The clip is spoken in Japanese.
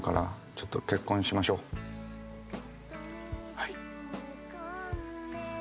「はい」。